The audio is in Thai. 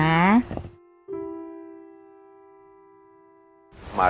มารการ